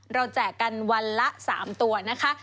แจกกันวันละ๓ตัวนะคะ